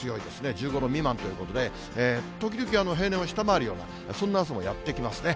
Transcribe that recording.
１５度未満ということで、時々、平年を下回るような、そんな朝もやって来ますね。